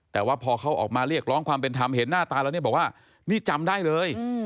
แต่ว่าพอเขาออกมาเรียกร้องความเป็นธรรมเห็นหน้าตาแล้วเนี่ยบอกว่านี่จำได้เลย